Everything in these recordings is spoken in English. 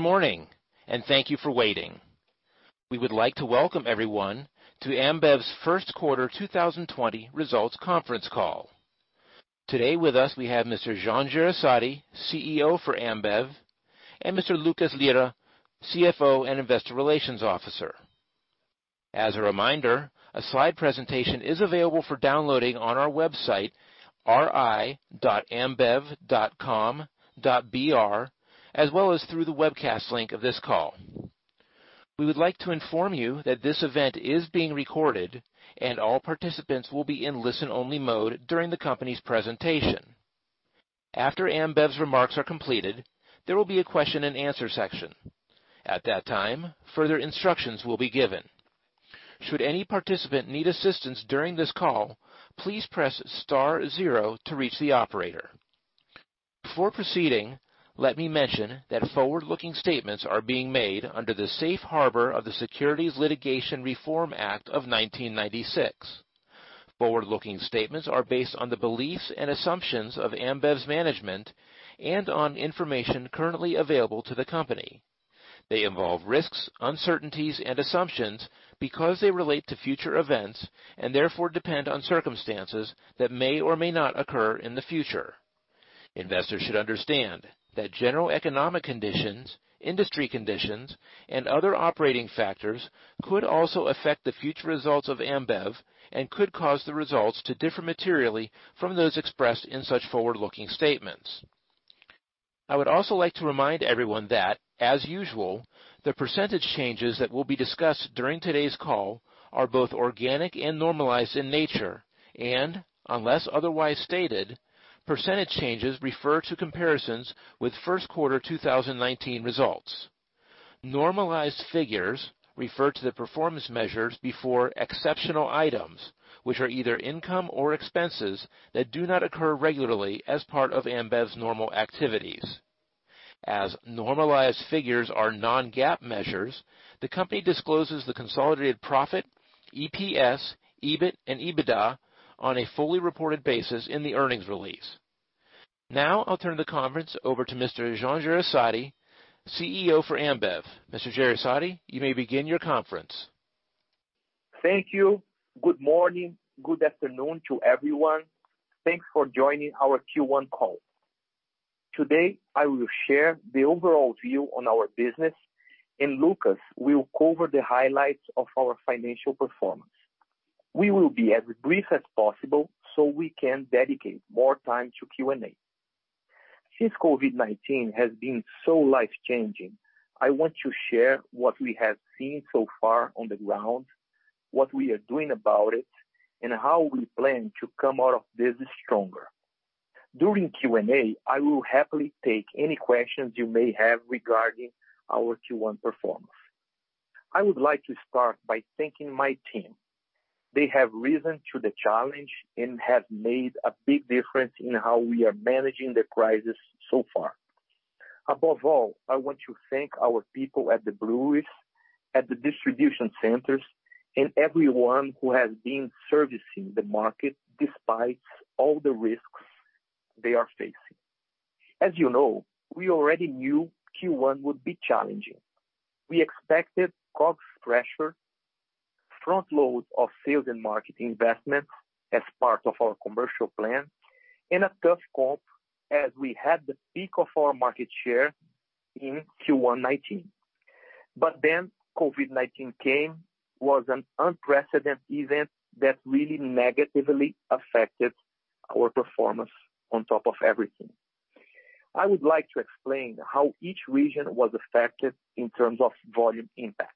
Good morning, and thank you for waiting. We would like to welcome everyone to Ambev's first quarter 2020 results conference call. Today with us, we have Mr. Jean Jereissati, CEO for Ambev, and Mr. Lucas Lira, CFO and Investor Relations Officer. As a reminder, a slide presentation is available for downloading on our website, ri.ambev.com.br, as well as through the webcast link of this call. We would like to inform you that this event is being recorded, and all participants will be in listen-only mode during the company's presentation. After Ambev's remarks are completed, there will be a question-and-answer section. At that time, further instructions will be given. Should any participant need assistance during this call, please press star zero to reach the operator. Before proceeding, let me mention that forward-looking statements are being made under the safe harbor of the Private Securities Litigation Reform Act of 1995. Forward-looking statements are based on the beliefs and assumptions of Ambev's management and on information currently available to the company. They involve risks, uncertainties, and assumptions because they relate to future events, and therefore depend on circumstances that may or may not occur in the future. Investors should understand that general economic conditions, industry conditions, and other operating factors could also affect the future results of Ambev and could cause the results to differ materially from those expressed in such forward-looking statements. I would also like to remind everyone that, as usual, the % changes that will be discussed during today's call are both organic and normalized in nature. Unless otherwise stated, % changes refer to comparisons with first quarter 2019 results. Normalized figures refer to the performance measures before exceptional items, which are either income or expenses that do not occur regularly as part of Ambev's normal activities. As normalized figures are non-GAAP measures, the company discloses the consolidated profit, EPS, EBIT, and EBITDA on a fully reported basis in the earnings release. I'll turn the conference over to Mr. Jean Jereissati, CEO for Ambev. Mr. Jereissati, you may begin your conference. Thank you. Good morning. Good afternoon to everyone. Thanks for joining our Q1 call. Today, I will share the overall view on our business, and Lucas will cover the highlights of our financial performance. We will be as brief as possible so we can dedicate more time to Q&A. Since COVID-19 has been so life-changing, I want to share what we have seen so far on the ground, what we are doing about it, and how we plan to come out of this stronger. During Q&A, I will happily take any questions you may have regarding our Q1 performance. I would like to start by thanking my team. They have risen to the challenge and have made a big difference in how we are managing the crisis so far. Above all, I want to thank our people at the breweries, at the distribution centers, and everyone who has been servicing the market despite all the risks they are facing. As you know, we already knew Q1 would be challenging. We expected COGS pressure, front load of sales and marketing investments as part of our commercial plan, and a tough comp as we had the peak of our market share in Q1 2019. COVID-19 came, was an unprecedented event that really negatively affected our performance on top of everything. I would like to explain how each region was affected in terms of volume impact.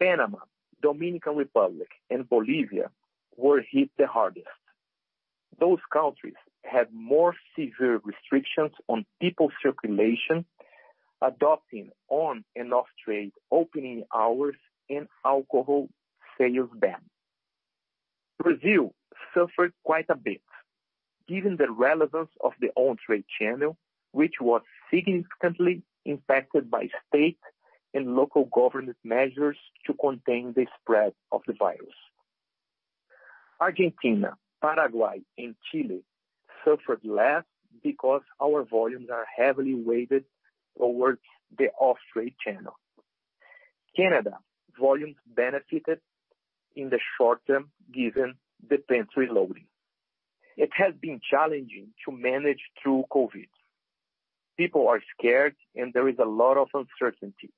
Panama, Dominican Republic, and Bolivia were hit the hardest. Those countries had more severe restrictions on people circulation, adopting on and off trade opening hours and alcohol sales ban. Brazil suffered quite a bit, given the relevance of the on-trade channel, which was significantly impacted by state and local government measures to contain the spread of the virus. Argentina, Paraguay, and Chile suffered less because our volumes are heavily weighted towards the off-trade channel. Canada volumes benefited in the short term given the pantry loading. It has been challenging to manage through COVID. People are scared and there is a lot of uncertainty.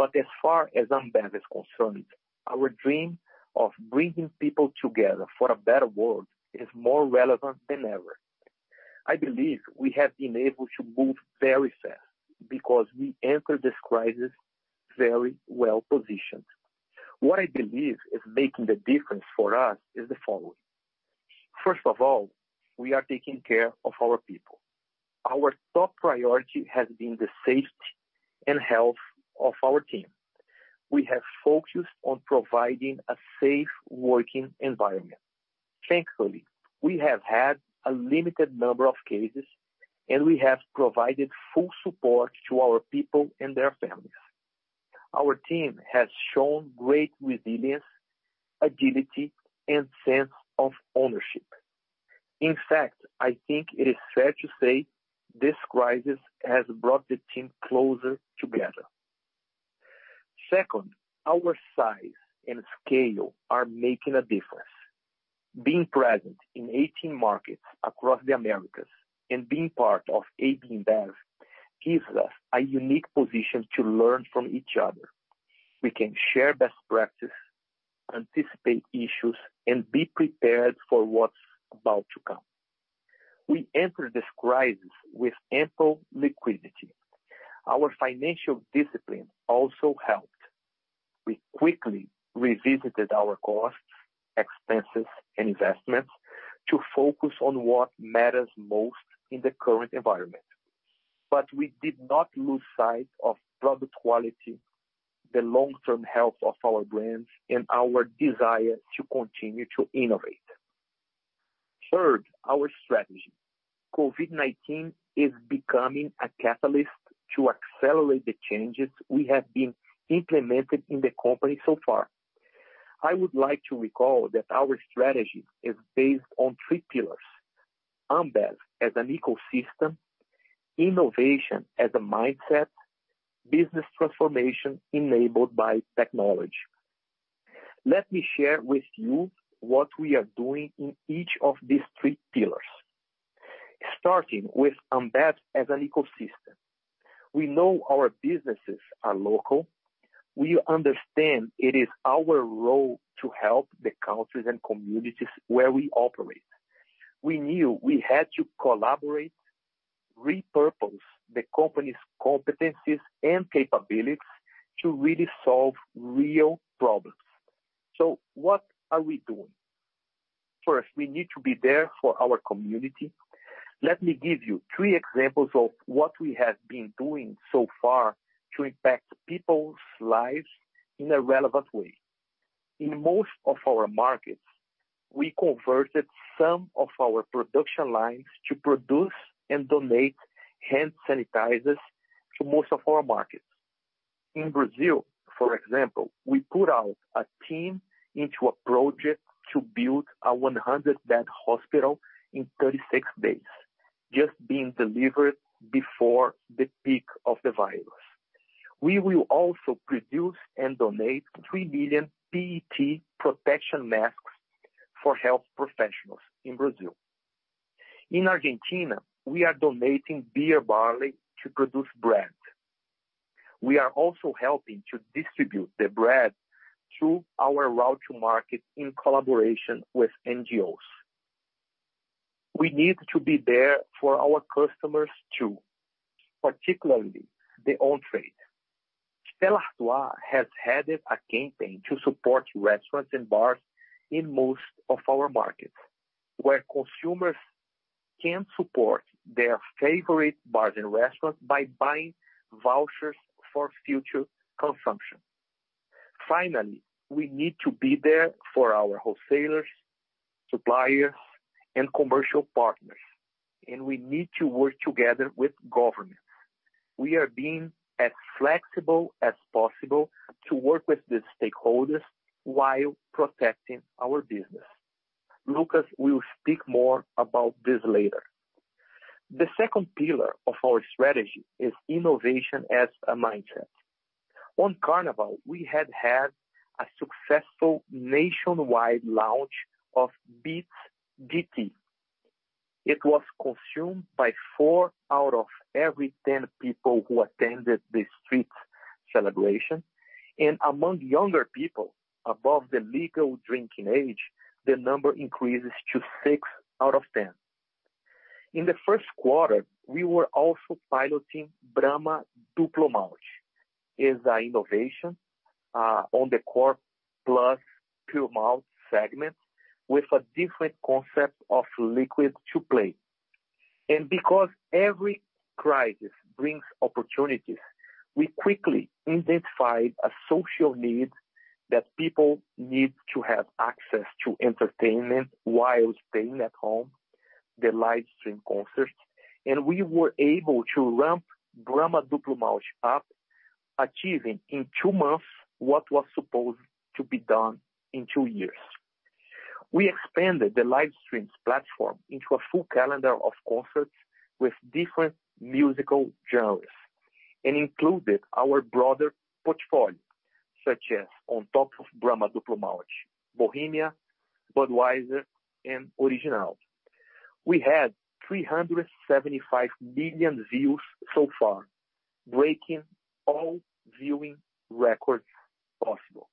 As far as Ambev is concerned, our dream of bringing people together for a better world is more relevant than ever. I believe we have been able to move very fast because we entered this crisis very well-positioned. What I believe is making the difference for us is the following. First of all, we are taking care of our people. Our top priority has been the safety and health of our team. We have focused on providing a safe working environment. Thankfully, we have had a limited number of cases, and we have provided full support to our people and their families. Our team has shown great resilience, agility, and sense of ownership. In fact, I think it is fair to say this crisis has brought the team closer together. Second, our size and scale are making a difference. Being present in 18 markets across the Americas and being part of AB InBev gives us a unique position to learn from each other. We can share best practices, anticipate issues, and be prepared for what's about to come. We enter this crisis with ample liquidity. Our financial discipline also helped. We quickly revisited our costs, expenses, and investments to focus on what matters most in the current environment. We did not lose sight of product quality, the long-term health of our brands, and our desire to continue to innovate. Third, our strategy. COVID-19 is becoming a catalyst to accelerate the changes we have been implementing in the company so far. I would like to recall that our strategy is based on three pillars: Ambev as an ecosystem, innovation as a mindset, business transformation enabled by technology. Let me share with you what we are doing in each of these three pillars, starting with Ambev as an ecosystem. We know our businesses are local. We understand it is our role to help the countries and communities where we operate. We knew we had to collaborate, repurpose the company's competencies and capabilities to really solve real problems. What are we doing? First, we need to be there for our community. Let me give you three examples of what we have been doing so far to impact people's lives in a relevant way. In most of our markets, we converted some of our production lines to produce and donate hand sanitizers to most of our markets. In Brazil, for example, we put out a team into a project to build a 100-bed hospital in 36 days, just being delivered before the peak of the virus. We will also produce and donate 3 million PET protection masks for health professionals in Brazil. In Argentina, we are donating beer barley to produce bread. We are also helping to distribute the bread through our route to market in collaboration with NGOs. We need to be there for our customers too, particularly the on-trade. Cervecería Nacional has headed a campaign to support restaurants and bars in most of our markets, where consumers can support their favorite bars and restaurants by buying vouchers for future consumption. We need to be there for our wholesalers, suppliers, and commercial partners. We need to work together with governments. We are being as flexible as possible to work with the stakeholders while protecting our business. Lucas will speak more about this later. The second pillar of our strategy is innovation as a mindset. On Carnival, we had a successful nationwide launch of Beats GT. It was consumed by four out of every 10 people who attended the street celebration. Among younger people above the legal drinking age, the number increases to six out of 10. In the first quarter, we were also piloting Brahma Duplo Malte as an innovation on the core plus puro malte segment with a different concept of liquid to play. Because every crisis brings opportunities, we quickly identified a social need that people need to have access to entertainment while staying at home, the live stream concerts, and we were able to ramp Brahma Duplo Malte up, achieving in two months what was supposed to be done in two years. We expanded the live streams platform into a full calendar of concerts with different musical genres and included our broader portfolio, such as on top of Brahma Duplo Malte, Bohemia, Budweiser, and Original. We had 375 million views so far, breaking all viewing records possible.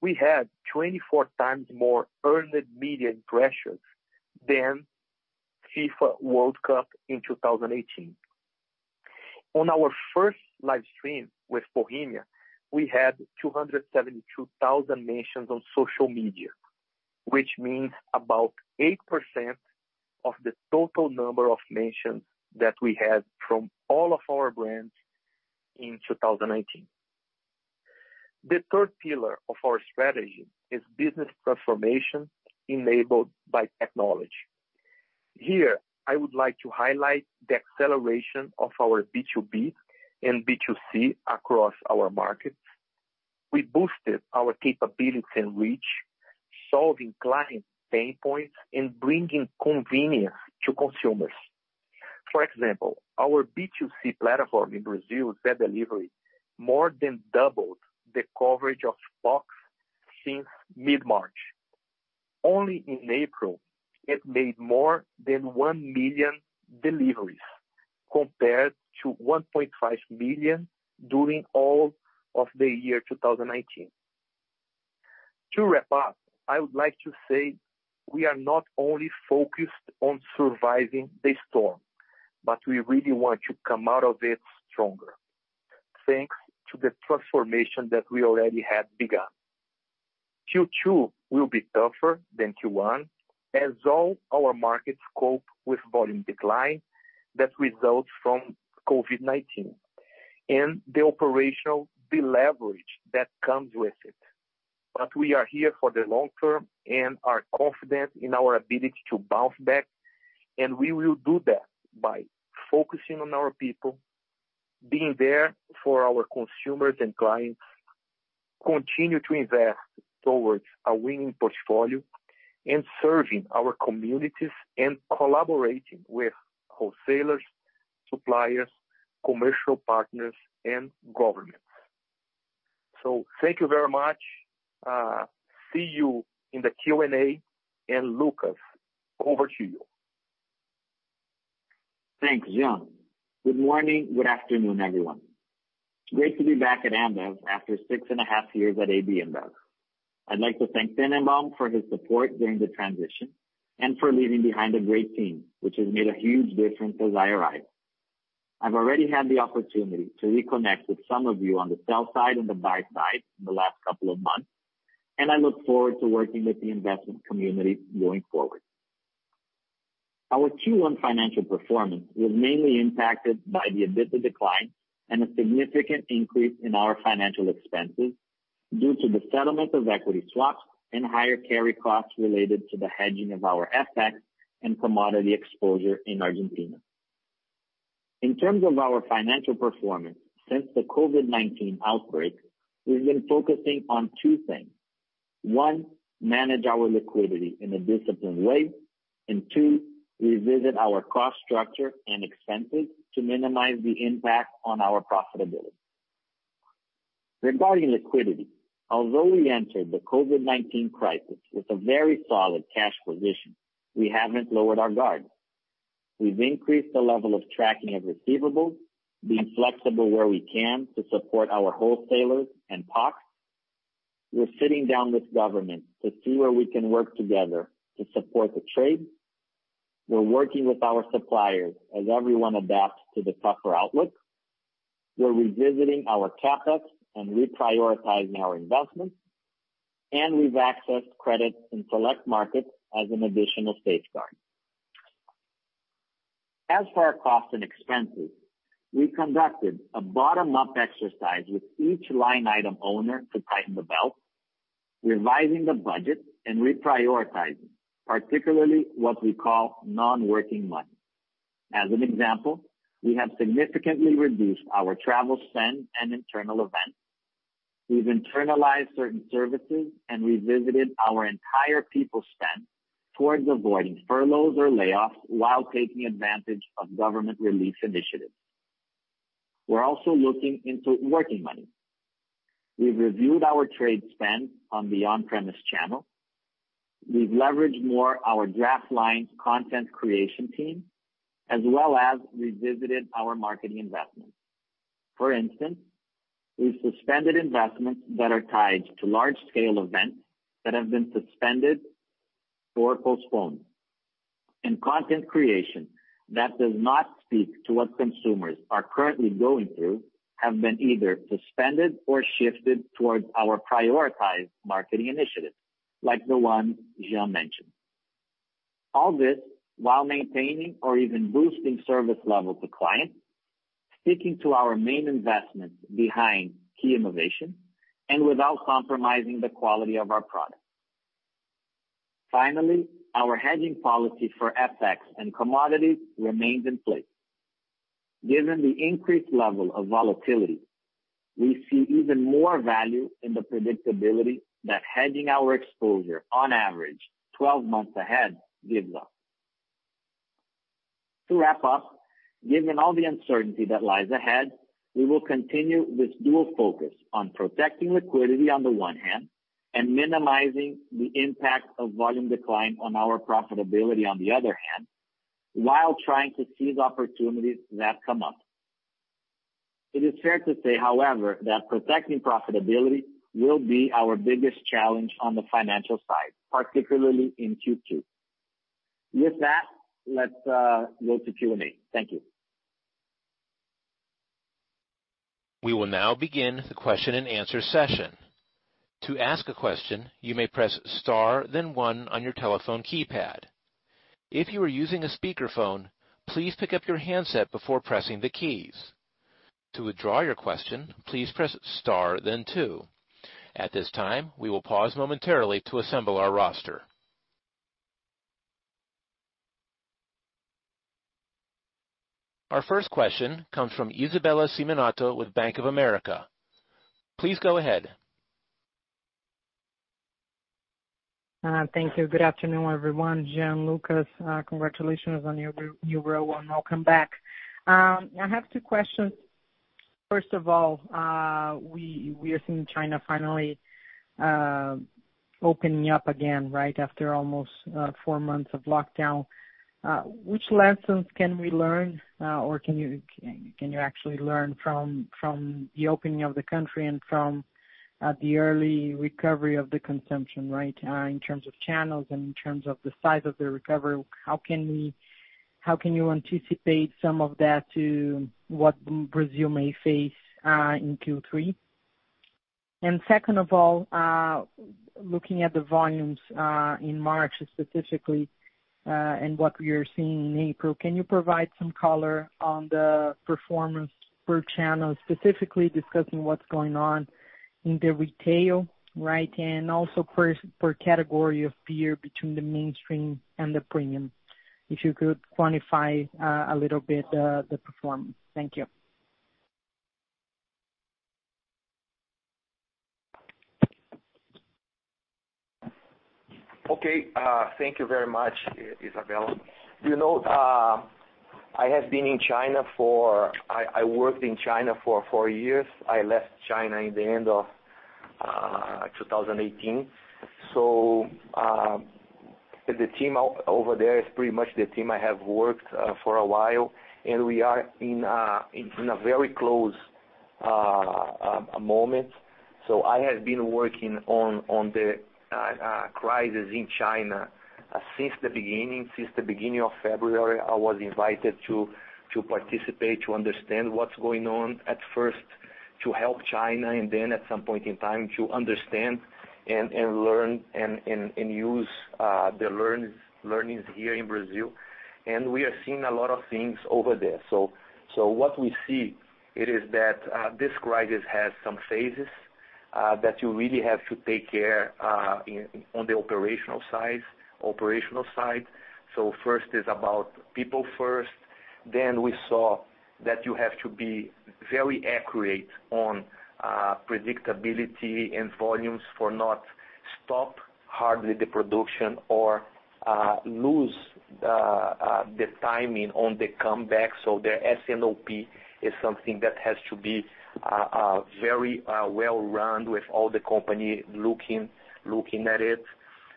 We had 24x more earned media impressions than FIFA World Cup in 2018. On our first live stream with Bohemia, we had 272,000 mentions on social media, which means about 8% of the total number of mentions that we had from all of our brands in 2019. The third pillar of our strategy is business transformation enabled by technology. Here, I would like to highlight the acceleration of our B2B and B2C across our markets. We boosted our capabilities and reach, solving client pain points and bringing convenience to consumers. For example, our B2C platform in Brazil, Zé Delivery, more than doubled the coverage of POCs since mid-March. Only in April, it made more than one million deliveries compared to 1.5 million during all of the year 2019. To wrap up, I would like to say we are not only focused on surviving the storm, but we really want to come out of it stronger, thanks to the transformation that we already had begun. Q2 will be tougher than Q1 as all our markets cope with volume decline that results from COVID-19, and the operational deleverage that comes with it. We are here for the long term and are confident in our ability to bounce back, we will do that by focusing on our people, being there for our consumers and clients, continue to invest towards a winning portfolio, and serving our communities and collaborating with wholesalers, suppliers, commercial partners, and governments. Thank you very much. See you in the Q&A. Lucas, over to you. Thanks, Jean. Good morning, good afternoon, everyone. Great to be back at Ambev after six and a half years at AB InBev. I'd like to thank Sven Emmermann for his support during the transition and for leaving behind a great team, which has made a huge difference as I arrived. I've already had the opportunity to reconnect with some of you on the sell side and the buy side in the last couple of months, and I look forward to working with the investment community going forward. Our Q1 financial performance was mainly impacted by the EBITDA decline and a significant increase in our financial expenses due to the settlement of equity swaps and higher carry costs related to the hedging of our FX and commodity exposure in Argentina. In terms of our financial performance since the COVID-19 outbreak, we've been focusing on two things. One, manage our liquidity in a disciplined way. Two, revisit our cost structure and expenses to minimize the impact on our profitability. Regarding liquidity, although we entered the COVID-19 crisis with a very solid cash position, we haven't lowered our guard. We've increased the level of tracking of receivables, being flexible where we can to support our wholesalers and POCs. We're sitting down with government to see where we can work together to support the trade. We're working with our suppliers as everyone adapts to the tougher outlook. We're revisiting our CapEx and reprioritizing our investments. We've accessed credits in select markets as an additional safeguard. As for our costs and expenses, we conducted a bottom-up exercise with each line item owner to tighten the belt, revising the budget, and reprioritizing, particularly what we call non-working money. As an example, we have significantly reduced our travel spend and internal events. We've internalized certain services and revisited our entire people spend towards avoiding furloughs or layoffs while taking advantage of government relief initiatives. We're also looking into working money. We've reviewed our trade spend on the on-premise channel. We've leveraged more our draft lines content creation team, as well as revisited our marketing investments. For instance, we've suspended investments that are tied to large-scale events that have been suspended or postponed. Content creation that does not speak to what consumers are currently going through have been either suspended or shifted towards our prioritized marketing initiatives, like the one Jean mentioned. All this while maintaining or even boosting service level to clients, sticking to our main investments behind key innovation, and without compromising the quality of our product. Finally, our hedging policy for FX and commodities remains in place. Given the increased level of volatility, we see even more value in the predictability that hedging our exposure on average 12 months ahead gives us. To wrap up, given all the uncertainty that lies ahead, we will continue with dual focus on protecting liquidity on the one hand and minimizing the impact of volume decline on our profitability on the other hand, while trying to seize opportunities that come up. It is fair to say, however, that protecting profitability will be our biggest challenge on the financial side, particularly in Q2. With that, let's go to Q&A. Thank you. We will now begin the question-and-answer session. To ask a question, you may press star then one on your telephone keypad. If you are using a speakerphone, please pick up your handset before pressing the keys. To withdraw your question, please press star then two. At this time, we will pause momentarily to assemble our roster. Our first question comes from Isabella Simonato with Bank of America. Please go ahead. Thank you. Good afternoon, everyone. Jean, Lucas, congratulations on your new role and welcome back. I have two questions. First of all, we are seeing China finally opening up again after almost four months of lockdown. Which lessons can we learn, or can you actually learn from the opening of the country and from the early recovery of the consumption? In terms of channels and in terms of the size of the recovery, how can you anticipate some of that to what Brazil may face in Q3? Second of all, looking at the volumes, in March specifically, and what we are seeing in April, can you provide some color on the performance per channel, specifically discussing what's going on in the retail? Also per category of beer between the mainstream and the premium, if you could quantify a little bit the performance. Thank you. Okay. Thank you very much, Isabella. I have been in China. I worked in China for four years. I left China in the end of 2018. The team over there is pretty much the team I have worked for a while, and we are in a very close moment. I have been working on the crisis in China since the beginning of February. I was invited to participate, to understand what's going on. At first, to help China, and then at some point in time, to understand and learn and use the learnings here in Brazil. We are seeing a lot of things over there. What we see it is that this crisis has some phases that you really have to take care on the operational side. First is about people first. We saw that you have to be very accurate on predictability and volumes for not stop hardly the production or lose the timing on the comeback. The S&OP is something that has to be very well run with all the company looking at it.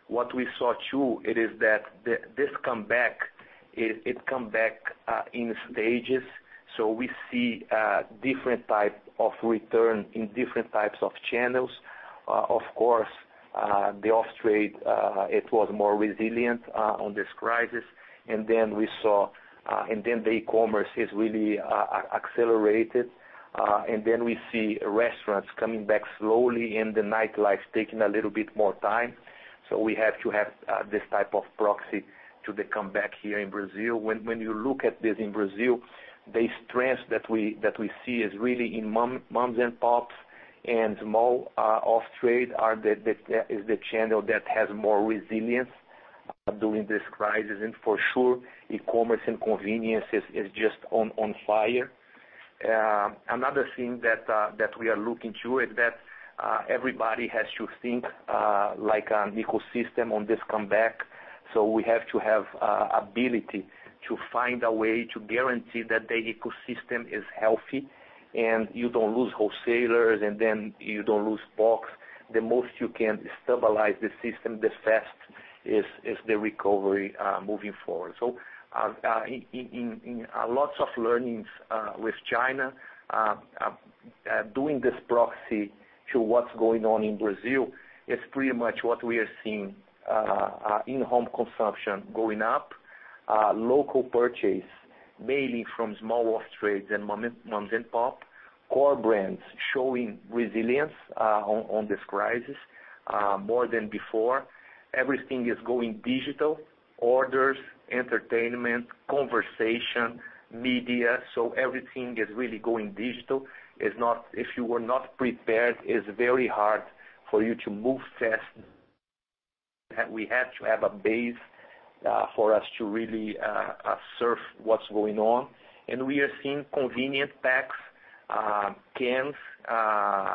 What we saw, too, it is that this comeback, it come back in stages. We see different type of return in different types of channels. Of course, the off-trade, it was more resilient on this crisis. The e-commerce is really accelerated. We see restaurants coming back slowly and the nightlife taking a little bit more time. We have to have this type of proxy to the comeback here in Brazil. When you look at this in Brazil, the strength that we see is really in moms and pops and small off-trade is the channel that has more resilience during this crisis. For sure, e-commerce and convenience is just on fire. Another thing that we are looking to it that everybody has to think like an ecosystem on this comeback. We have to have ability to find a way to guarantee that the ecosystem is healthy and you don't lose wholesalers, and then you don't lose POCs. The most you can stabilize the system, the fast is the recovery moving forward. In lots of learnings with China, doing this proxy to what's going on in Brazil is pretty much what we are seeing in home consumption going up. Local purchase, mainly from small off-trades and moms and pops. Core brands showing resilience on this crisis more than before. Everything is going digital, orders, entertainment, conversation, media, everything is really going digital. If you were not prepared, it's very hard for you to move fast. We had to have a base for us to really surf what's going on. We are seeing convenient packs, cans,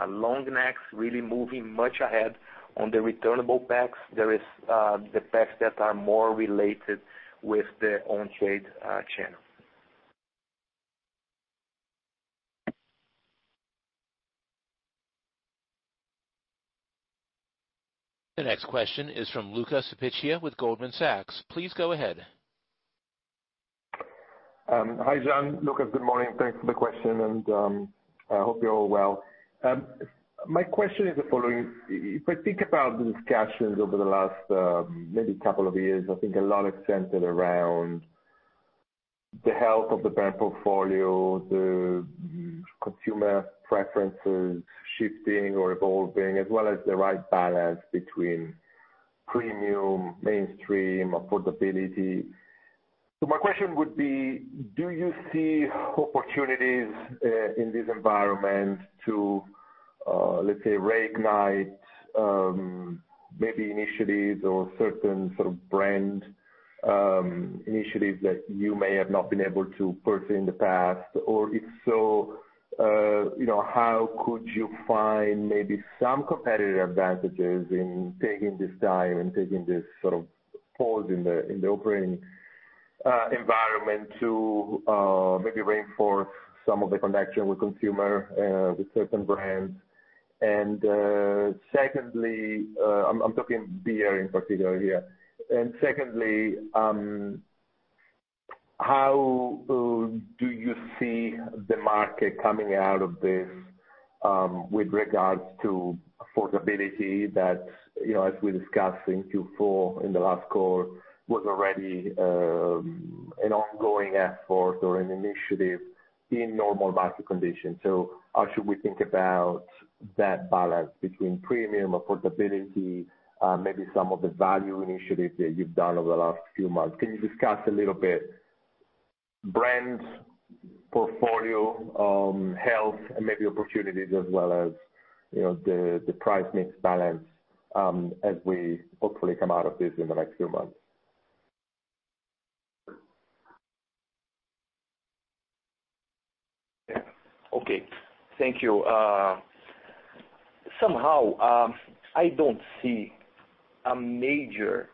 long necks, really moving much ahead on the returnable packs. There is the packs that are more related with the on-trade channel. The next question is from Luca Cipiccia with Goldman Sachs. Please go ahead. Hi, Jean, Lucas. Good morning. Thanks for the question, and I hope you're all well. My question is the following. If I think about the discussions over the last maybe couple of years, I think a lot has centered around the health of the brand portfolio, the consumer preferences shifting or evolving, as well as the right balance between premium, mainstream affordability. My question would be: do you see opportunities in this environment to, let's say, reignite maybe initiatives or certain sort of brand initiatives that you may have not been able to pursue in the past? If so, how could you find maybe some competitive advantages in taking this time and taking this sort of pause in the operating environment to maybe reinforce some of the connection with consumer with certain brands? Secondly, I'm talking beer in particular here. Secondly, how do you see the market coming out of this, with regards to affordability that, as we discussed in Q4 in the last call, was already an ongoing effort or an initiative in normal market conditions. How should we think about that balance between premium affordability, maybe some of the value initiatives that you've done over the last few months? Can you discuss a little bit brands, portfolio, health, and maybe opportunities as well as the price mix balance, as we hopefully come out of this in the next few months? Yeah. Okay. Thank you. Somehow, I don't see a major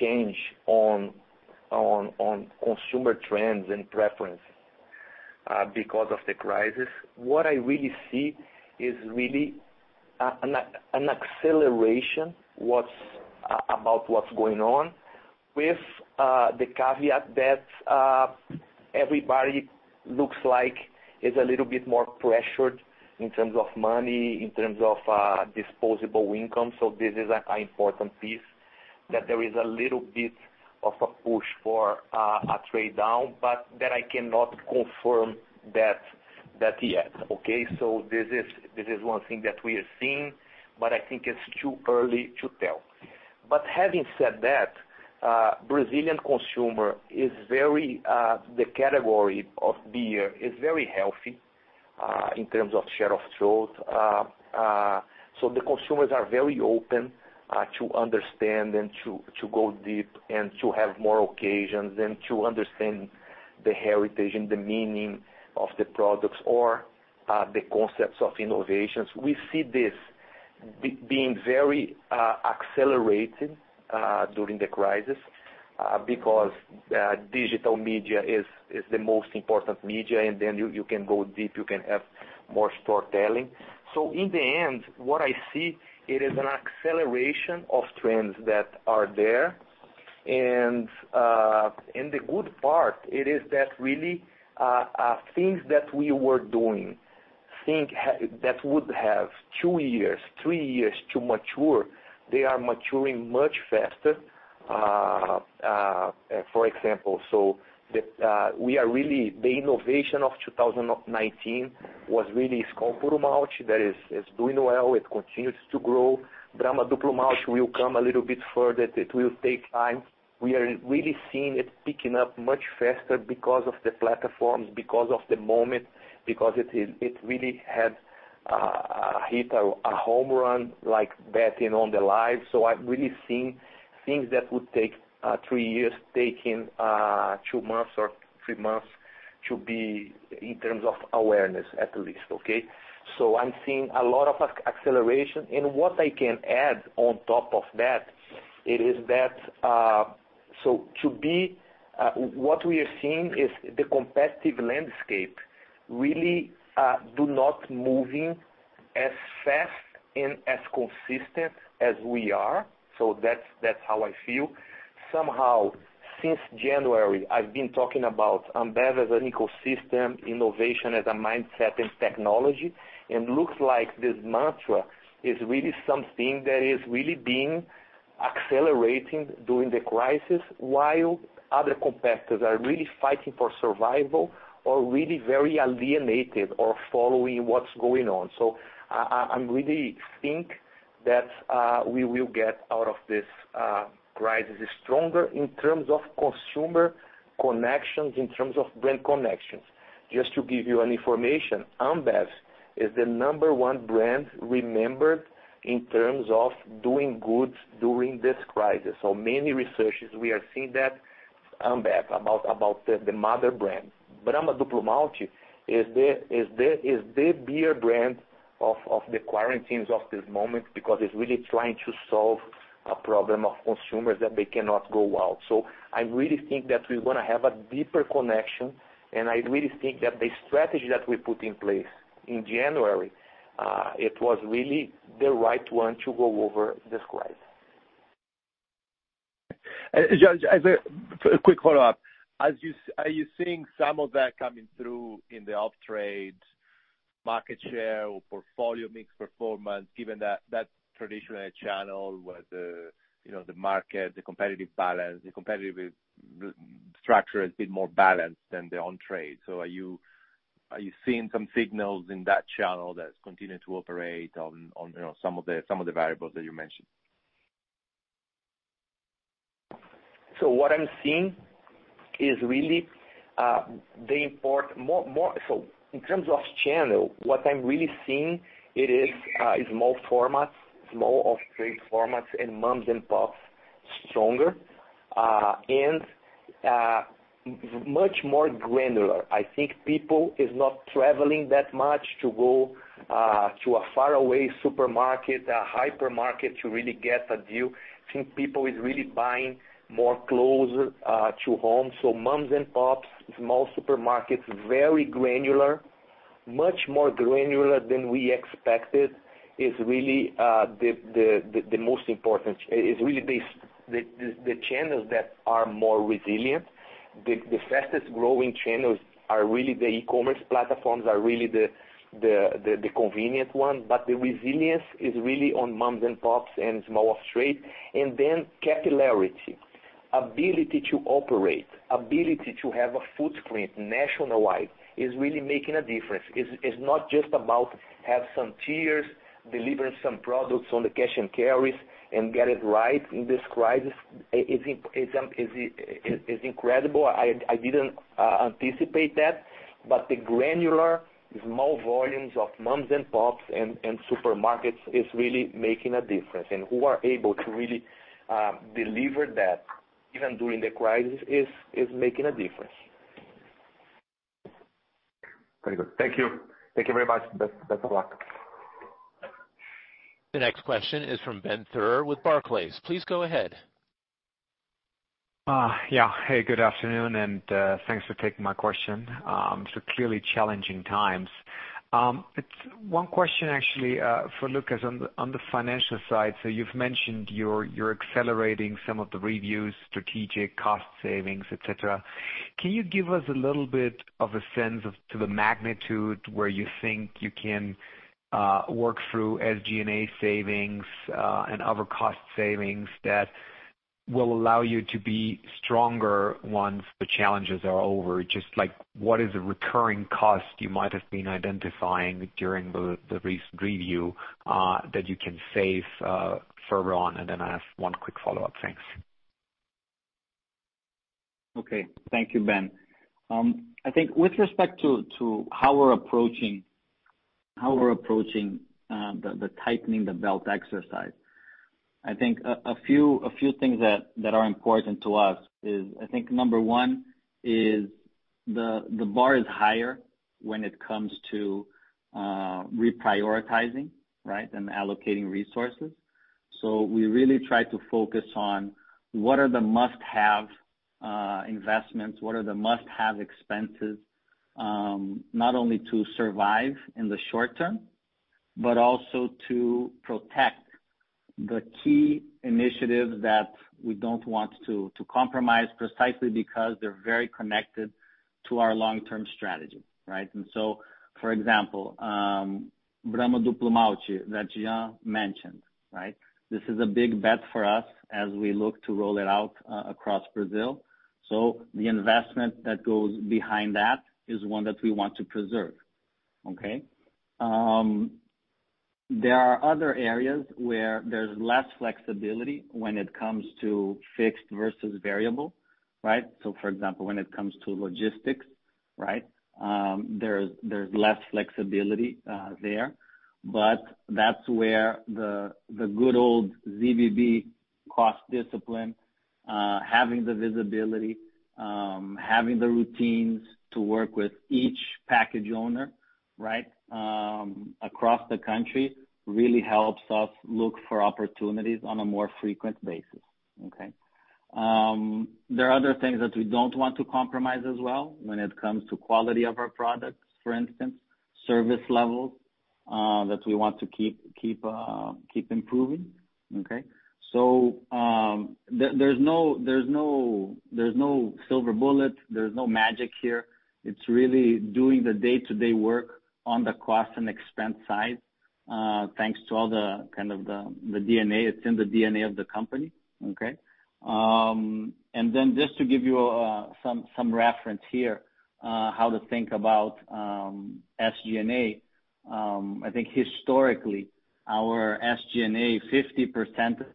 change on consumer trends and preference because of the crisis. What I really see is really an acceleration about what's going on with the caveat that everybody looks like is a little bit more pressured in terms of money, in terms of disposable income. This is an important piece. That there is a little bit of a push for a trade-down, but that I cannot confirm that yet. Okay. This is one thing that we are seeing, but I think it's too early to tell. Having said that, Brazilian consumer, the category of beer is very healthy, in terms of share of choice. The consumers are very open to understand and to go deep and to have more occasions and to understand the heritage and the meaning of the products or the concepts of innovations. We see this being very accelerated during the crisis, because digital media is the most important media, and then you can go deep, you can have more storytelling. In the end, what I see, it is an acceleration of trends that are there. The good part it is that really things that we were doing, things that would have two years, three years to mature, they are maturing much faster. For example, the innovation of 2019 was really Skol Puro Malte. That is doing well. It continues to grow. Brahma Duplo Malte will come a little bit further. It will take time. We are really seeing it picking up much faster because of the platforms, because of the moment, because it really had hit a home run, like betting on the live. I'm really seeing things that would take three years taking two months or three months to be in terms of awareness at least. Okay. I'm seeing a lot of acceleration. What I can add on top of that, it is that what we are seeing is the competitive landscape really do not moving as fast and as consistent as we are. That's how I feel. Somehow since January, I've been talking about Ambev as an ecosystem, innovation as a mindset and technology, and looks like this mantra is really something that is really being accelerating during the crisis, while other competitors are really fighting for survival or really very alienated or following what's going on. I really think that we will get out of this crisis stronger in terms of consumer connections, in terms of brand connections. Just to give you an information, Ambev is the number one brand remembered in terms of doing good during this crisis. Many researches, we are seeing that Ambev, about the mother brand. Brahma Duplo Malte is the beer brand of the quarantines of this moment because it's really trying to solve a problem of consumers that they cannot go out. I really think that we're going to have a deeper connection, and I really think that the strategy that we put in place in January, it was really the right one to go over this crisis. Jean, as a quick follow-up, are you seeing some of that coming through in the off-trade market share or portfolio mix performance, given that traditional channel where the market, the competitive balance, the competitive structure has been more balanced than the on-trade. Are you seeing some signals in that channel that's continuing to operate on some of the variables that you mentioned? What I'm seeing is really, in terms of channel, what I'm really seeing it is small formats, small off-trade formats and moms and pops stronger, and much more granular. I think people is not traveling that much to go to a faraway supermarket, a hypermarket to really get a deal. I think people is really buying more closer to home. Moms and pops, small supermarkets, very granular, much more granular than we expected, is really the most important. Is really the channels that are more resilient. The fastest growing channels are really the e-commerce platforms, are really the convenient one. The resilience is really on moms and pops and small off-trade. Capillarity. Ability to operate, ability to have a footprint nationwide is really making a difference. It's not just about have some tiers, delivering some products on the cash and carries and get it right in this crisis, is incredible. I didn't anticipate that, but the granular, small volumes of moms and pops and supermarkets is really making a difference. Who are able to really deliver that, even during the crisis, is making a difference. Very good. Thank you. Thank you very much. Best of luck. The next question is from Ben Theurer with Barclays. Please go ahead. Yeah. Hey, good afternoon. Thanks for taking my question. Clearly challenging times. One question actually for Lucas on the financial side. You've mentioned you're accelerating some of the reviews, strategic cost savings, et cetera. Can you give us a little bit of a sense of to the magnitude where you think you can work through SGA savings and other cost savings that will allow you to be stronger once the challenges are over? Just like, what is the recurring cost you might have been identifying during the recent review that you can save further on? I have one quick follow-up. Thanks. Okay. Thank you, Ben. I think with respect to how we're approaching the tightening the belt exercise, I think a few things that are important to us is, I think number one is the bar is higher when it comes to reprioritizing, right, and allocating resources. We really try to focus on what are the must-have investments, what are the must-have expenses. Not only to survive in the short term, but also to protect the key initiatives that we don't want to compromise precisely because they're very connected to our long-term strategy, right? For example, Brahma Duplo Malte that Jean mentioned. This is a big bet for us as we look to roll it out across Brazil. The investment that goes behind that is one that we want to preserve. Okay. There are other areas where there's less flexibility when it comes to fixed versus variable, right? For example, when it comes to logistics there's less flexibility there. That's where the good old ZBB cost discipline, having the visibility, having the routines to work with each package owner across the country, really helps us look for opportunities on a more frequent basis. Okay? There are other things that we don't want to compromise as well when it comes to quality of our products, for instance, service levels that we want to keep improving. Okay? There's no silver bullet, there's no magic here. It's really doing the day-to-day work on the cost and expense side. Thanks to all the, kind of the DNA, it's in the DNA of the company. Okay? Just to give you some reference here, how to think about SG&A. I think historically, our SG&A, 50%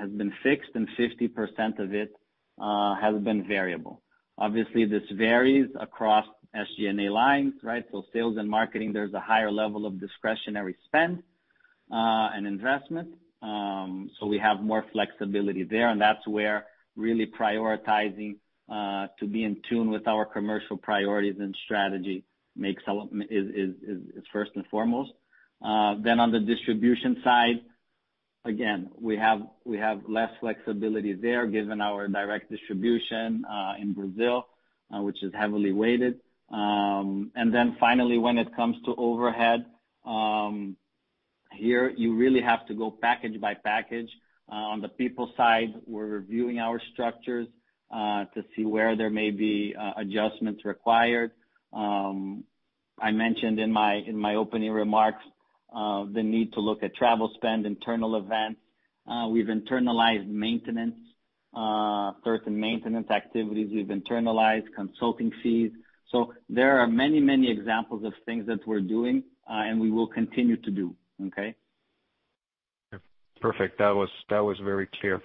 has been fixed and 50% of it has been variable. Obviously, this varies across SG&A lines, right? Sales and marketing, there's a higher level of discretionary spend and investment. We have more flexibility there, and that's where really prioritizing to be in tune with our commercial priorities and strategy is first and foremost. On the distribution side, again, we have less flexibility there given our direct distribution in Brazil, which is heavily weighted. Finally, when it comes to overhead, here you really have to go package by package. On the people side, we're reviewing our structures to see where there may be adjustments required. I mentioned in my opening remarks, the need to look at travel spend, internal events. We've internalized maintenance, certain maintenance activities. We've internalized consulting fees. There are many, many examples of things that we're doing, and we will continue to do. Okay? Yep. Perfect. That was very clear.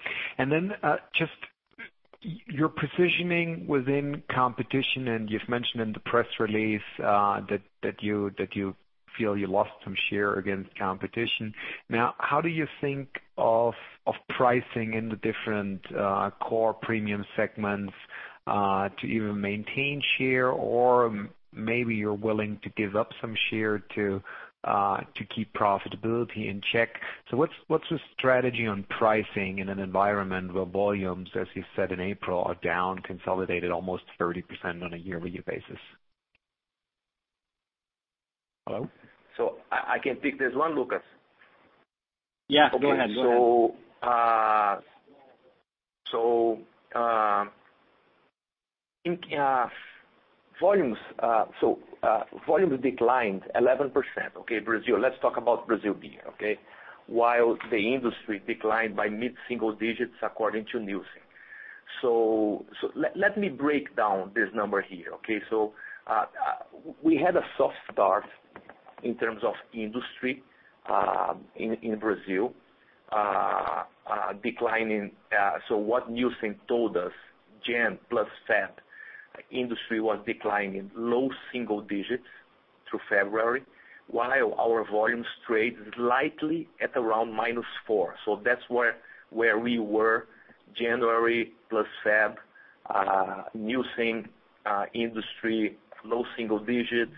Just your positioning within competition, and you've mentioned in the press release, that you feel you lost some share against competition. How do you think of pricing in the different core premium segments, to either maintain share or maybe you're willing to give up some share to keep profitability in check. What's your strategy on pricing in an environment where volumes, as you said, in April, are down consolidated almost 30% on a year-over-year basis? Hello? I can take this one, Lucas. Yeah, go ahead. Okay. Volumes declined 11%, okay, Brazil. Let's talk about Brazil beer, okay? While the industry declined by mid-single digits according to Nielsen. Let me break down this number here, okay? We had a soft start in terms of industry, in Brazil. What Nielsen told us, Jan plus Feb, industry was declining low single digits through February, while our volumes traded lightly at around minus four. That's where we were January plus Feb, Nielsen, industry low single digits.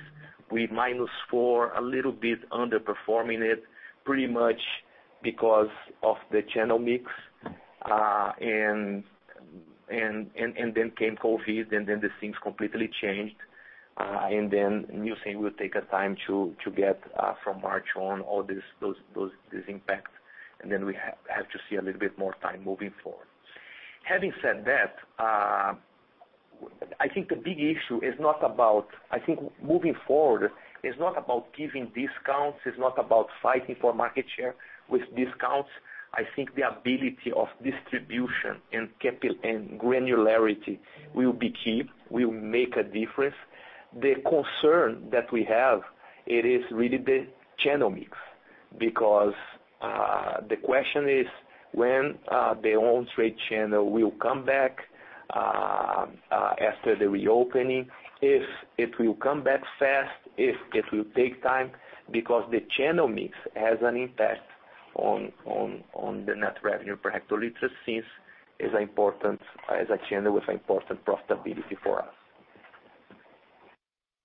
We minus four, a little bit underperforming it, pretty much because of the channel mix. Came COVID, the things completely changed. Nielsen will take a time to get, from March on, all those impact. We have to see a little bit more time moving forward. Having said that, I think moving forward is not about giving discounts. It's not about fighting for market share with discounts. I think the ability of distribution and granularity will be key, will make a difference. The concern that we have, it is really the channel mix, because the question is, when the own trade channel will come back after the reopening, if it will come back fast, if it will take time, because the channel mix has an impact on the net revenue per hectoliters since is important as a channel with important profitability for us.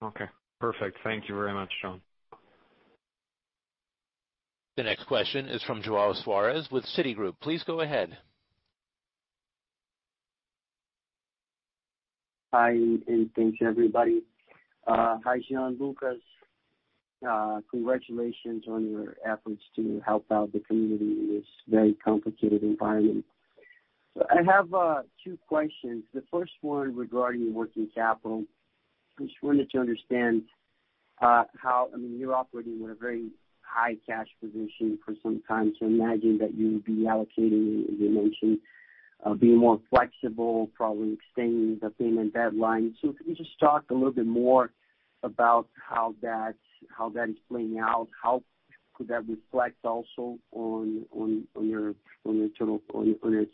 Okay, perfect. Thank you very much, Jean. The next question is from João Soares with Citigroup. Please go ahead. Hi, and thanks everybody. Hi, João, Lucas. Congratulations on your efforts to help out the community in this very complicated environment. I have two questions. The first one regarding working capital. I just wanted to understand, I mean, you're operating with a very high cash position for some time, so I imagine that you would be allocating, as you mentioned, being more flexible, probably extending the payment deadline. Can you just talk a little bit more about how that is playing out? How could that reflect also on your total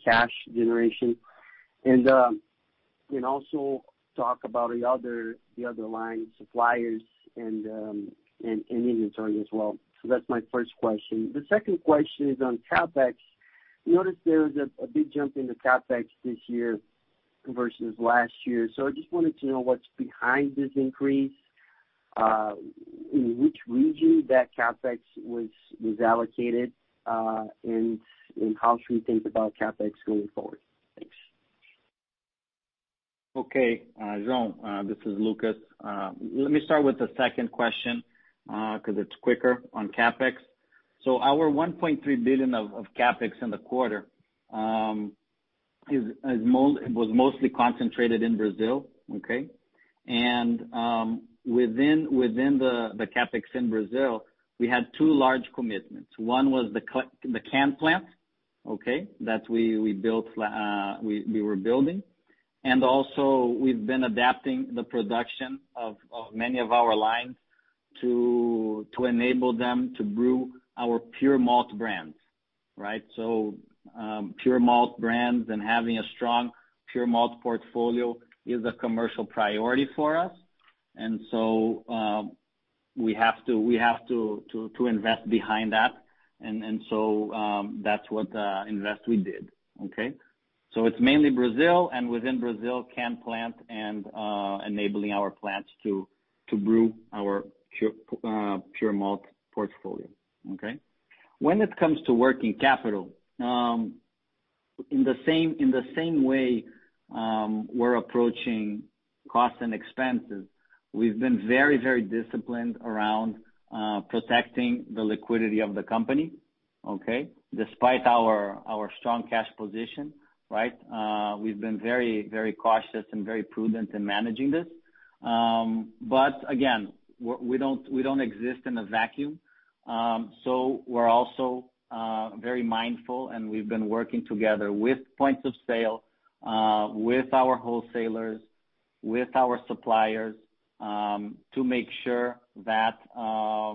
cash generation? And also talk about the other line suppliers and inventory as well. That's my first question. The second question is on CapEx. We noticed there was a big jump in the CapEx this year versus last year. I just wanted to know what's behind this increase, in which region that CapEx was allocated, and how should we think about CapEx going forward? Thanks. Okay. João, this is Lucas. Let me start with the second question, because it's quicker on CapEx. Our 1.3 billion of CapEx in the quarter was mostly concentrated in Brazil. Okay? Within the CapEx in Brazil, we had two large commitments. One was the can plant, okay? That we were building. Also we've been adapting the production of many of our lines to enable them to brew our pure malt brands, right? Pure malt brands and having a strong pure malt portfolio is a commercial priority for us. We have to invest behind that. That's what invest we did. Okay? It's mainly Brazil, and within Brazil, can plant and enabling our plants to brew our pure malt portfolio. Okay? When it comes to working capital, in the same way we're approaching costs and expenses, we've been very disciplined around protecting the liquidity of the company. Okay. Despite our strong cash position, we've been very cautious and very prudent in managing this. Again, we don't exist in a vacuum. We're also very mindful, and we've been working together with POCs, with our wholesalers, with our suppliers, to make sure that our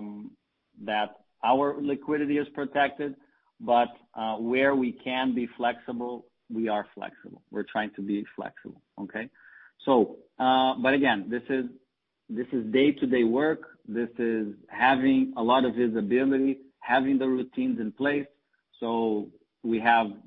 liquidity is protected. Where we can be flexible, we are flexible. We're trying to be flexible. Okay. Again, this is day-to-day work. This is having a lot of visibility, having the routines in place.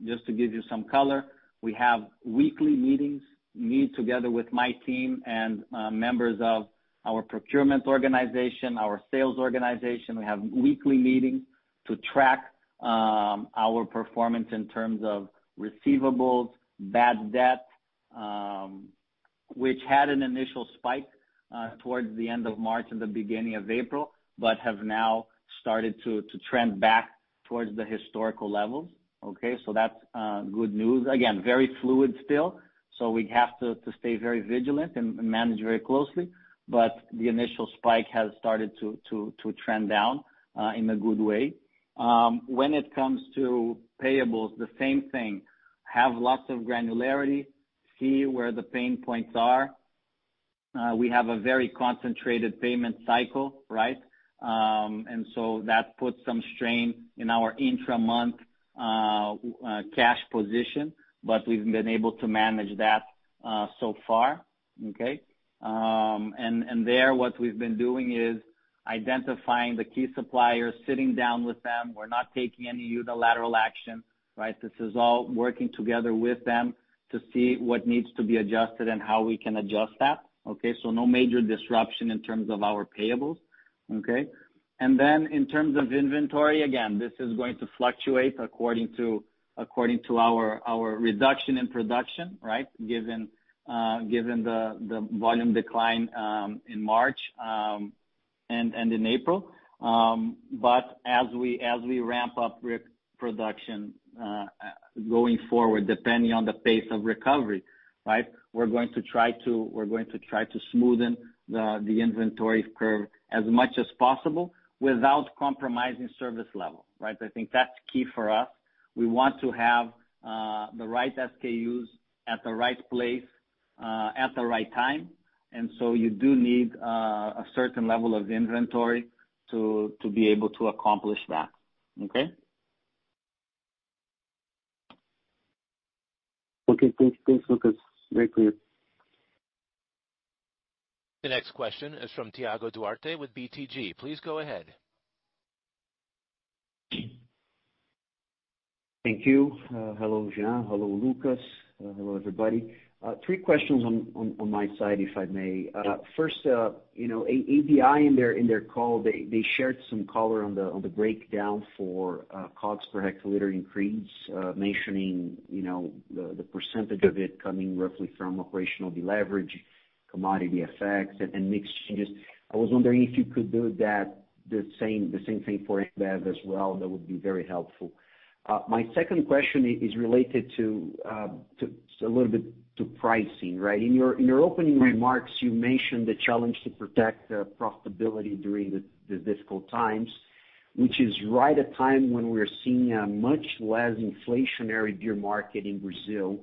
Just to give you some color, we have weekly meetings. We meet together with my team and members of our procurement organization, our sales organization. We have weekly meetings to track our performance in terms of receivables, bad debt, which had an initial spike towards the end of March and the beginning of April, but have now started to trend back towards the historical levels. Okay? That's good news. Again, very fluid still, so we have to stay very vigilant and manage very closely. The initial spike has started to trend down in a good way. When it comes to payables, the same thing. Have lots of granularity, see where the pain points are. We have a very concentrated payment cycle. That puts some strain in our intra-month cash position, but we've been able to manage that so far. Okay? There, what we've been doing is identifying the key suppliers, sitting down with them. We're not taking any unilateral action. This is all working together with them to see what needs to be adjusted and how we can adjust that. No major disruption in terms of our payables. Okay. In terms of inventory, again, this is going to fluctuate according to our reduction in production. Given the volume decline in March and in April. As we ramp up production going forward, depending on the pace of recovery, we're going to try to smoothen the inventory curve as much as possible without compromising service level. I think that's key for us. We want to have the right SKUs at the right place, at the right time. You do need a certain level of inventory to be able to accomplish that. Okay. Okay, thanks, Lucas. Very clear. The next question is from Thiago Duarte with BTG. Please go ahead. Thank you. Hello, Jean. Hello, Lucas. Hello, everybody. Three questions on my side, if I may. First, ABI, in their call, they shared some color on the breakdown for costs per hectoliter increase, mentioning the % of it coming roughly from operational deleverage, commodity effects, and mix changes. I was wondering if you could do the same thing for Ambev as well. That would be very helpful. My second question is related a little bit to pricing. In your opening remarks, you mentioned the challenge to protect profitability during the difficult times, which is right at time when we're seeing a much less inflationary beer market in Brazil,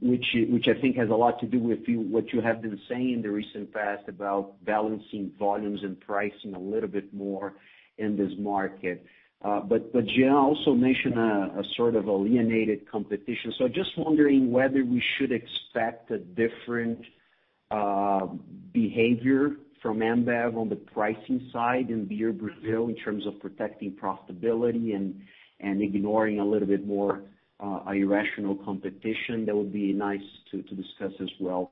which I think has a lot to do with what you have been saying in the recent past about balancing volumes and pricing a little bit more in this market. Jean also mentioned a sort of alienated competition. Just wondering whether we should expect a different behavior from Ambev on the pricing side in beer Brazil in terms of protecting profitability and ignoring a little bit more irrational competition. That would be nice to discuss as well.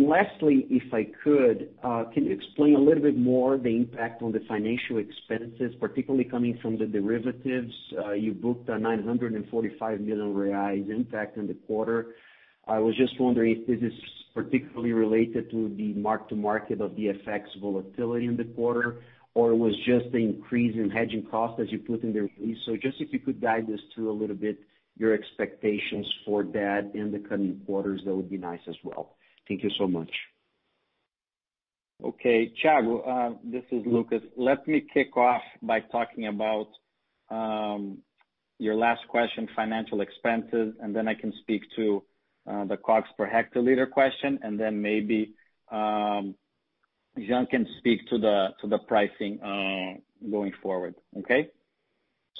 Lastly, if I could, can you explain a little bit more the impact on the financial expenses, particularly coming from the derivatives? You booked a 945 million reais impact in the quarter. I was just wondering if this is particularly related to the mark-to-market of the FX volatility in the quarter, or it was just the increase in hedging cost as you put in the release. Just if you could guide us to a little bit your expectations for that in the coming quarters, that would be nice as well. Thank you so much. Thiago, this is Lucas. Let me kick off by talking about your last question, financial expenses, then I can speak to the costs per hectoliter question, then maybe Jean can speak to the pricing going forward.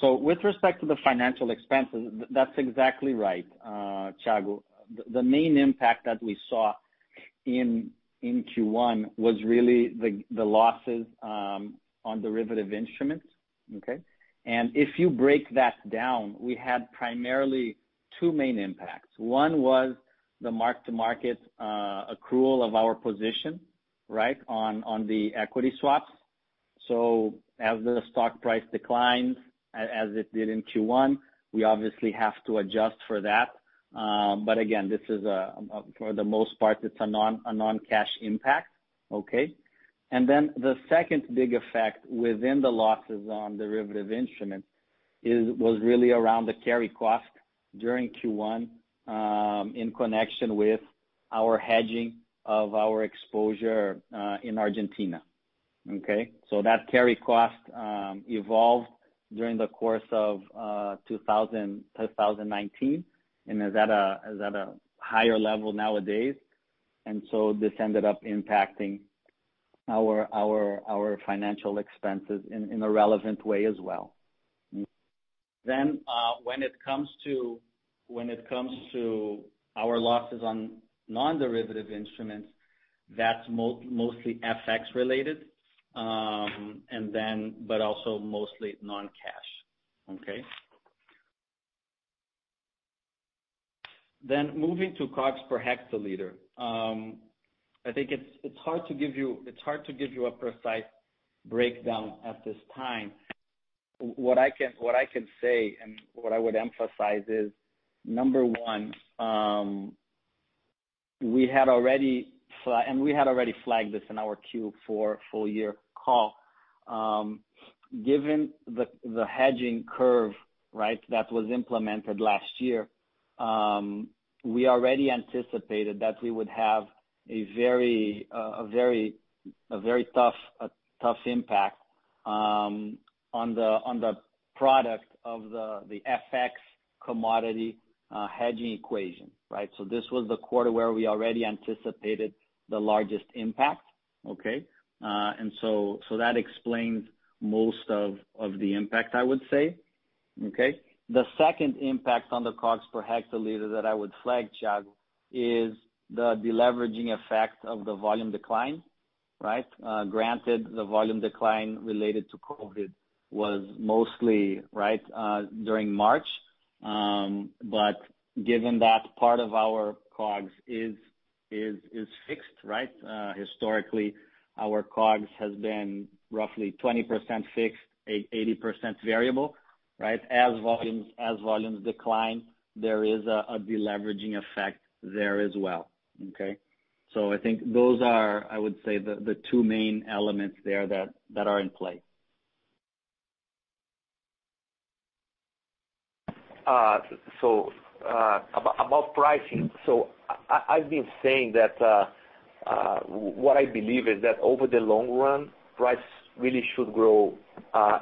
With respect to the financial expenses, that's exactly right, Thiago. The main impact that we saw in Q1 was really the losses on derivative instruments. If you break that down, we had primarily two main impacts. One was the mark-to-market accrual of our position on the equity swaps. As the stock price declines, as it did in Q1, we obviously have to adjust for that. Again, for the most part, it's a non-cash impact. Then the second big effect within the losses on derivative instruments was really around the carry cost during Q1, in connection with our hedging of our exposure in Argentina. That carry cost evolved during the course of 2019 and is at a higher level nowadays. This ended up impacting our financial expenses in a relevant way as well. When it comes to our losses on non-derivative instruments, that's mostly FX related, but also mostly non-cash. Okay. Moving to COGS per hectoliter. I think it's hard to give you a precise breakdown at this time. What I can say and what I would emphasize is, number one, and we had already flagged this in our Q4 full year call. Given the hedging curve, that was implemented last year, we already anticipated that we would have a very tough impact on the product of the FX commodity hedging equation. Right. This was the quarter where we already anticipated the largest impact. Okay. That explains most of the impact, I would say. Okay. The second impact on the COGS per hectoliter that I would flag, Thiago, is the deleveraging effect of the volume decline. Right. Granted, the volume decline related to COVID was mostly during March. Given that part of our COGS is fixed. Historically, our COGS has been roughly 20% fixed, 80% variable. Right. As volumes decline, there is a deleveraging effect there as well. Okay. I think those are, I would say, the two main elements there that are in play. About pricing. I've been saying that what I believe is that over the long run, price really should grow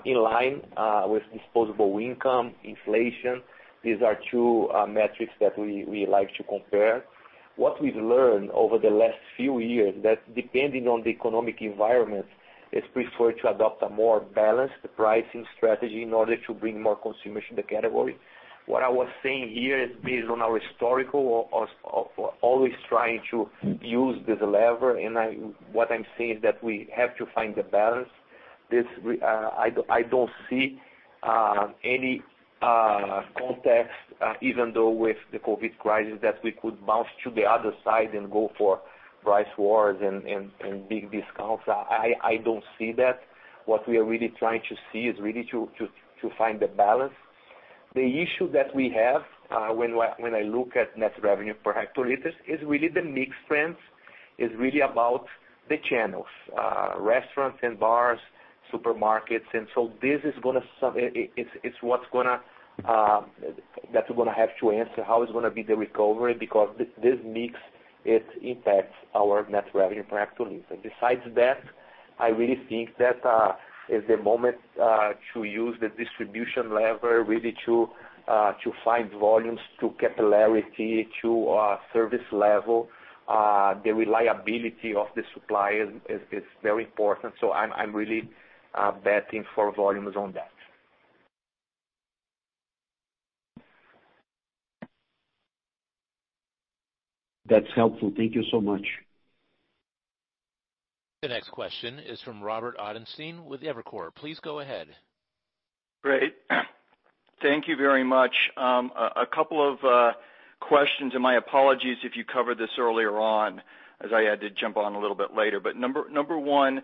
in line with disposable income, inflation. These are two metrics that we like to compare. What we've learned over the last few years, that depending on the economic environment, it's preferred to adopt a more balanced pricing strategy in order to bring more consumption in the category. What I was saying here is based on our historical, always trying to use this lever, and what I'm saying is that we have to find the balance. I don't see any context, even though with the COVID crisis, that we could bounce to the other side and go for price wars and big discounts. I don't see that. What we are really trying to see is really to find the balance. The issue that we have, when I look at net revenue per hectoliters, is really the mix trends, is really about the channels. Restaurants and bars, supermarkets. That we're going to have to answer how it's going to be the recovery, because this mix, it impacts our net revenue per hectoliters. Besides that, I really think that is the moment to use the distribution lever really to find volumes, to capillarity, to service level. The reliability of the supply is very important. I'm really betting for volumes on that. That's helpful. Thank you so much. The next question is from Robert Ottenstein with Evercore. Please go ahead. Great. Thank you very much. A couple of questions, my apologies if you covered this earlier on as I had to jump on a little bit later. Number one,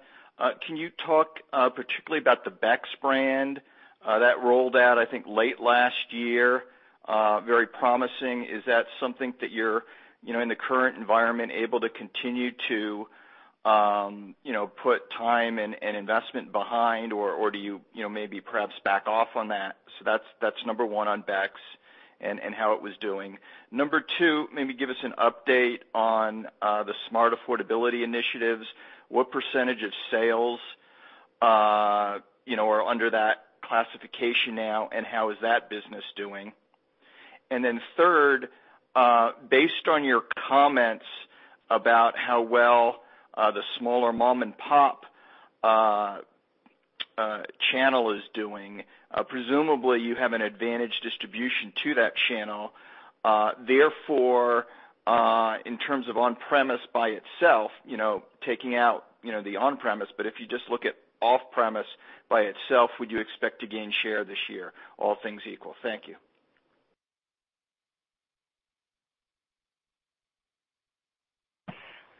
can you talk particularly about the Beck's brand? That rolled out, I think, late last year. Very promising. Is that something that you're, in the current environment, able to continue to put time and investment behind? Do you maybe perhaps back off on that? That's number one on Beck's and how it was doing. Number two, maybe give us an update on the smart affordability initiatives. What percentage of sales are under that classification now, and how is that business doing? Third, based on your comments about how well the smaller mom-and-pop channel is doing, presumably you have an advantage distribution to that channel. In terms of on-premise by itself, taking out the on-premise, but if you just look at off-premise by itself, would you expect to gain share this year, all things equal? Thank you.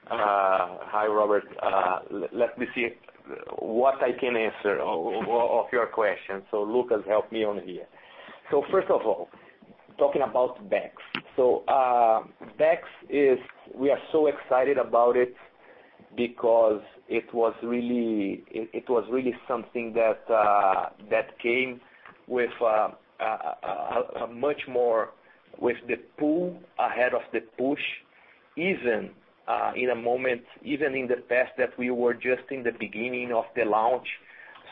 Hi, Robert. Let me see what I can answer of your questions. Lucas, help me on here. Talking about Beck's. Beck's, we are so excited about it because it was really something that came with a much more with the pull ahead of the push, even in the past that we were just in the beginning of the launch.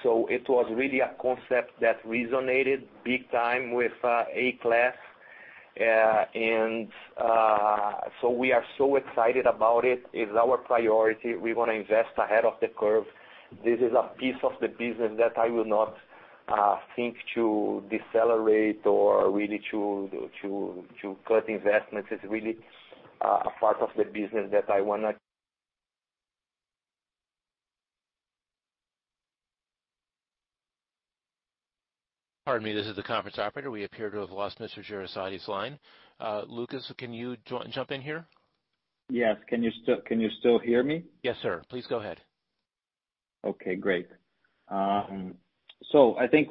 It was really a concept that resonated big time with A-class. We are so excited about it. It's our priority. We want to invest ahead of the curve. This is a piece of the business that I will not think to decelerate or really to cut investments. It's really a part of the business that I want to. Pardon me. This is the conference operator. We appear to have lost Mr. Jereissati's line. Lucas, can you jump in here? Yes. Can you still hear me? Yes, sir. Please go ahead. Okay, great. I think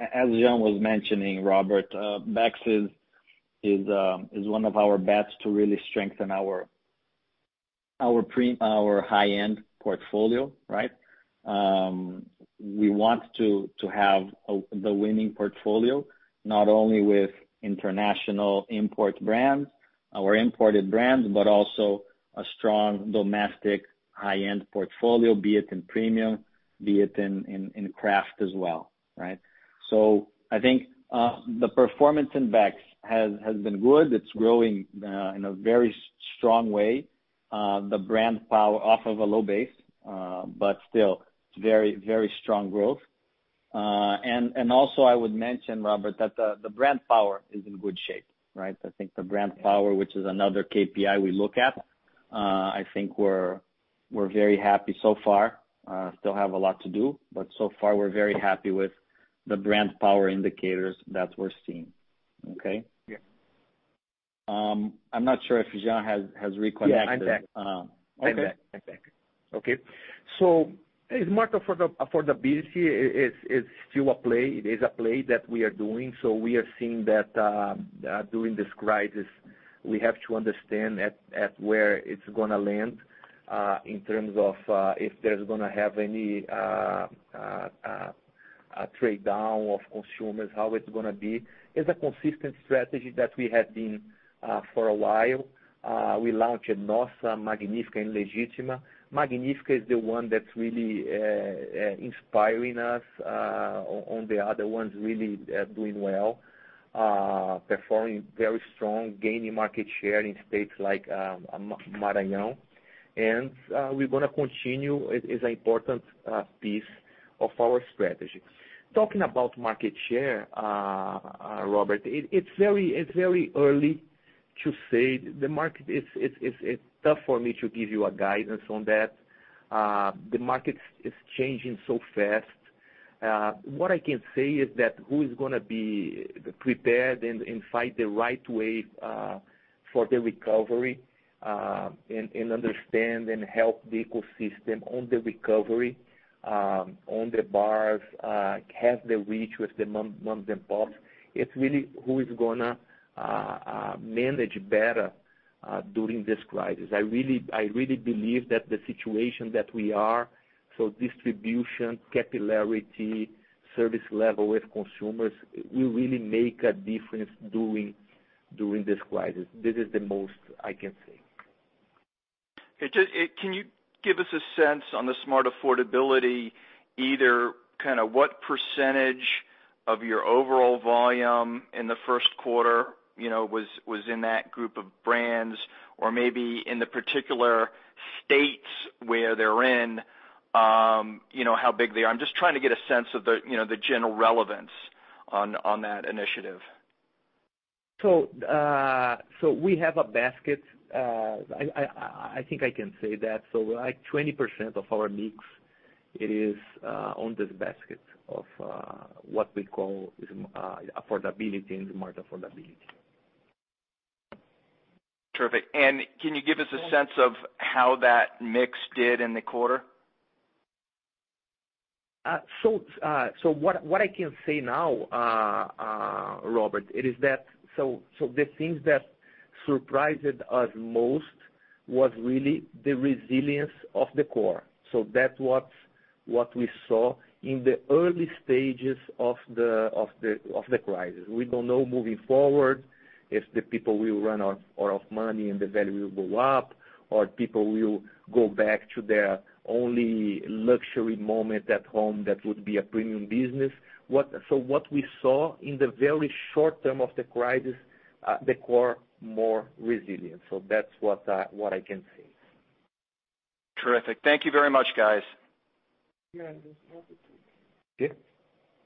as Jean was mentioning, Robert, Beck's is one of our bets to really strengthen our high-end portfolio, right? We want to have the winning portfolio, not only with international import brands, our imported brands, but also a strong domestic high-end portfolio, be it in premium, be it in craft as well, right? I think the performance in Beck's has been good. It's growing in a very strong way. The brand power off of a low base, but still, it's very strong growth. Also I would mention, Robert, that the brand power is in good shape, right? I think the brand power, which is another KPI we look at, I think we're very happy so far. Still have a lot to do, but so far we're very happy with the brand power indicators that we're seeing. Okay? Yeah. I'm not sure if Jean has reconnected. Yeah, I'm back. Okay. I'm back. Okay. Smart affordability is still a play. It is a play that we are doing. We are seeing that during this crisis, we have to understand at where it's going to land, in terms of if there's going to have any trade down of consumers, how it's going to be. It's a consistent strategy that we have been for a while. We launched Nossa, Magnífica, and Legítima. Magnífica is the one that's really inspiring us on the other ones, really doing well, performing very strong, gaining market share in states like Maranhão. We're going to continue. It's an important piece of our strategy. Talking about market share, Robert, it's very early to say. It's tough for me to give you a guidance on that. The market is changing so fast. What I can say is that who is going to be prepared and fight the right way for the recovery, and understand and help the ecosystem on the recovery, on the bars, have the reach with the moms and pops. It's really who is going to manage better during this crisis. I really believe that the situation that we are, distribution, capillarity, service level with consumers, will really make a difference during this crisis. This is the most I can say. Can you give us a sense on the smart affordability, either what % of your overall volume in the first quarter was in that group of brands, or maybe in the particular states where they're in, how big they are? I'm just trying to get a sense of the general relevance on that initiative. We have a basket. I think I can say that. Like 20% of our mix is on this basket of what we call affordability and smart affordability. Terrific. Can you give us a sense of how that mix did in the quarter? What I can say now, Robert, it is that the things that surprised us most was really the resilience of the core. That's what we saw in the early stages of the crisis. We don't know moving forward if the people will run out of money and the value will go up, or people will go back to their only luxury moment at home, that would be a premium business. What we saw in the very short term of the crisis, the core more resilient. That's what I can say. Terrific. Thank you very much, guys. Yeah.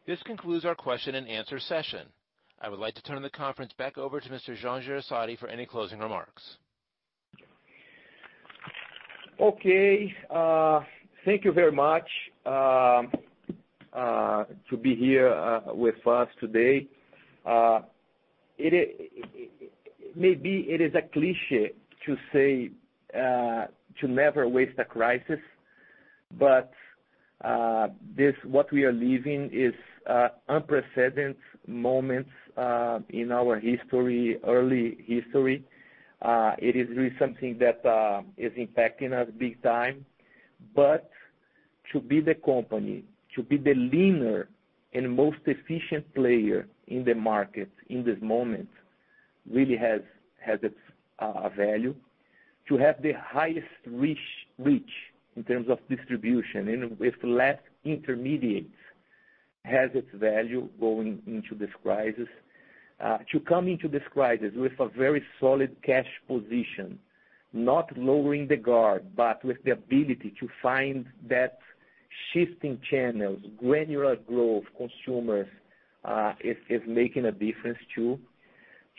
This concludes our question-and-answer session. I would like to turn the conference back over to Mr. Jean Jereissati for any closing remarks. Okay. Thank you very much to be here with us today. Maybe it is a cliché to say to never waste a crisis, but what we are living is unprecedented moments in our early history. It is really something that is impacting us big time. But to be the company, to be the leaner and most efficient player in the market in this moment really has its value. To have the highest reach in terms of distribution and with less intermediates has its value going into this crisis. To come into this crisis with a very solid cash position, not lowering the guard, but with the ability to find that shifting channels, granular growth, consumers, is making a difference, too.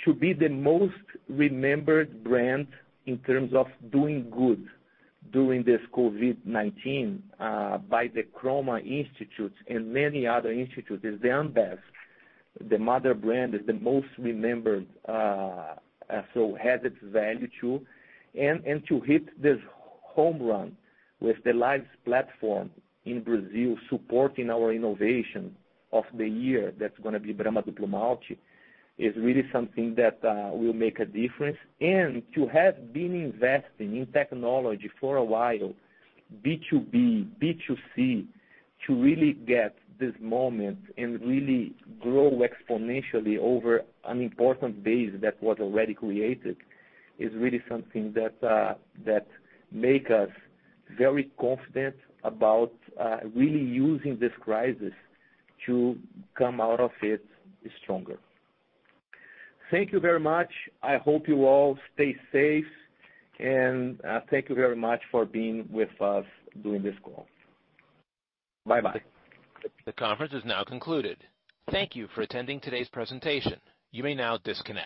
To be the most remembered brand in terms of doing good during this COVID-19 by the [Croma] Institute and many other institutes, is the Ambev, the mother brand, is the most remembered, so has its value, too. To hit this home run with the lives platform in Brazil supporting our innovation of the year, that's going to be Brahma Duplo Malte, is really something that will make a difference. To have been investing in technology for a while, B2B, B2C, to really get this moment and really grow exponentially over an important base that was already created, is really something that make us very confident about really using this crisis to come out of it stronger. Thank you very much. I hope you all stay safe, and thank you very much for being with us during this call. Bye-bye. The conference is now concluded. Thank you for attending today's presentation. You may now disconnect.